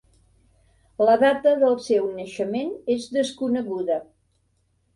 La data del seu naixement és desconeguda.